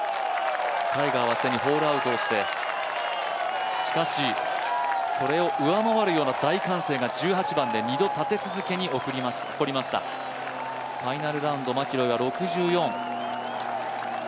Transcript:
タイガーは既にホールアウトをして、しかしそれを上回るような大歓声が１８番で２度立て続けに起こりましたファイナルラウンド、マキロイは６４。